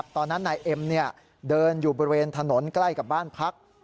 ตอนนั้นนายเอ็มเดินอยู่บริเวณถนนใกล้กับบ้านพัก